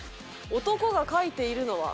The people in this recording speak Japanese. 「男がかいているのは？」